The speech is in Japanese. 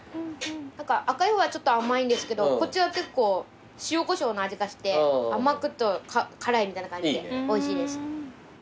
何か赤い方はちょっと甘いんですけどこっちは結構塩こしょうの味がして甘くて辛いみたいな感じでおいしいです。